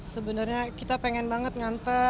sebenarnya kita pengen banget ngantar gitu